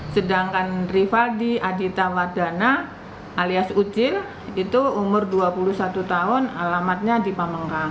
sedangkan rivaldi adita wadana alias ucil itu umur dua puluh satu tahun alamatnya di pamengkang